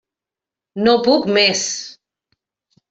No puc més!